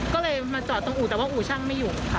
ก็เลยมาจอดตรงอู่แต่ว่าอู่ช่างไม่หยุดค่ะ